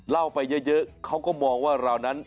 เล่าไปเยอะเขาก็มองว่าเรานั้น